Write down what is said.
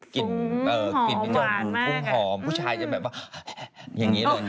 ฟุ้งหอมหวานมากอะฟุ้งฟุ้งหอมผู้ชายจะแบบว่าอย่างนี้เลย